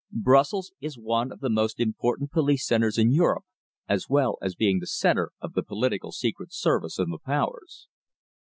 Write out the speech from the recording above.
Brussels is one of the most important police centres in Europe, as well as being the centre of the political secret service of the Powers.